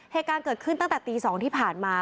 เหตุการณ์เกิดขึ้นตั้งแต่ตี๒ที่ผ่านมา